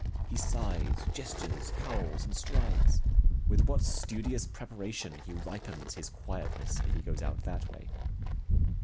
He sighs, gestures, howls, and strides. With what studious preparation he ripens his quietness, if he goes out that way.